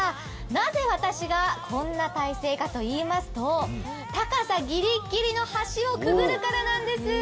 なぜ私がこんな体勢かといいますと高さぎりっぎりの橋をくぐるからなんです。